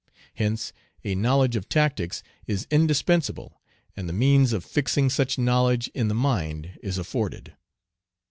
Hence a knowledge of tactics is indispensable, and the means of fixing such knowledge in the mind is afforded.